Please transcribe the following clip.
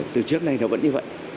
từ trước nay nó vẫn như vậy